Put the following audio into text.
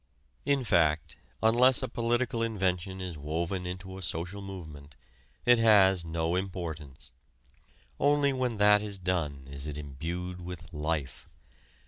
In fact, unless a political invention is woven into a social movement it has no importance. Only when that is done is it imbued with life.